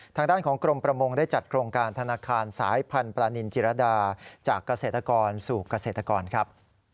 ทางด้านของกรมประมงได้จัดโครงการธนาคารสายพันธุปลานินจิรดาจากเกษตรกรสู่เกษตรกรครับ